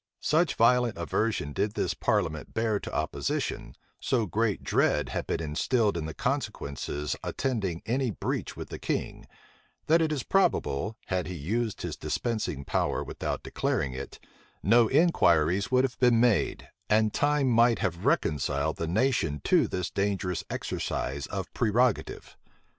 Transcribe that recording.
Such violent aversion did this parliament bear to opposition so great dread had been instilled of the consequences attending any breach with the king, that it is probable, had he used his dispensing power without declaring it, no inquiries would have been made, and time might have reconciled the nation to this dangerous exercise of prerogative.